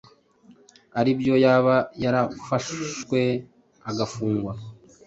aribyo yaba yarafashwe agafungwa